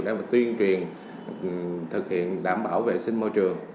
để mà tuyên truyền thực hiện đảm bảo vệ sinh môi trường